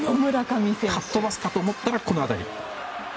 かっ飛ばすかと思ったらこの当たり。